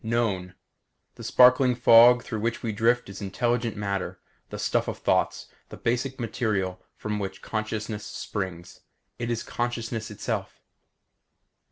Known: This sparkling fog through which we drift is intelligent matter; the stuff of thoughts; the basic material from which consciousness springs. It is consciousness itself.